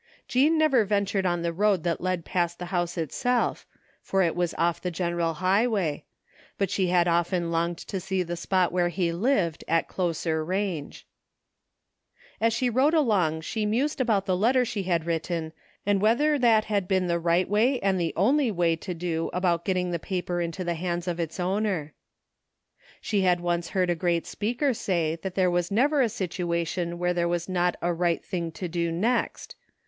Jean never ventured on the road that led past the house itself, for it was off the general highway; but she had often longed to see the spot where he lived at closer range. As she rode along she mused about Ae letter she 176 THE FINDING OF JASPER HOLT had written and whether that had been the right way and the only way to do about getting the paper into the hands of its owner. She had once heard a great speaker say that there was never a situation where there was not a right thing to do next.